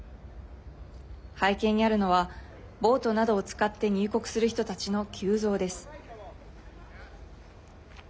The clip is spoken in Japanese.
背景にあるのはボートなどを使って入国する人たちの急増です。